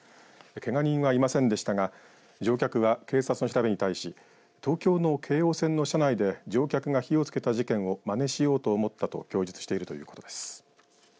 けが人はいませんでしたが乗客は警察の調べに対し東京の京王線の車内で乗客が火をつけた事件をまねしようと思ったと供述しているということです。